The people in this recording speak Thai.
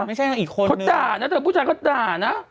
ไม่ใช่นะอีกคนเขาด่านะเธอผู้ชายเขาด่านะ